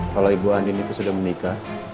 kalau ibu andin itu sudah menikah